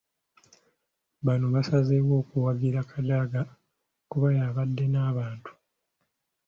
Bano baasazeewo okuwagira Kadaga kuba yabadde n’abantu.